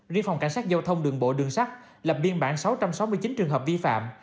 riêng phòng cảnh sát giao thông đường bộ đường sắt lập biên bản sáu trăm sáu mươi chín trường hợp vi phạm